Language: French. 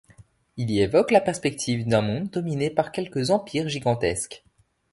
Il y évoque la perspective d'un monde dominé par quelques empires gigantesques.